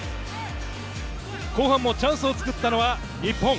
後半もチャンスを作ったのは日本。